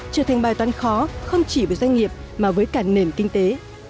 trở thành bài toán khó không chỉ với doanh nghiệp mà với cả nền kinh tế